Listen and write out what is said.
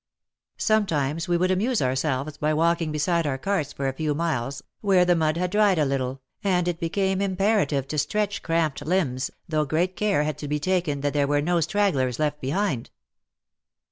Sometimes we would amuse ourselves by walking beside our carts for a few miles, where the mud had dried a little, and it became imperative to stretch cramped limbs, though great care had to be taken that there were no stragglers left behind.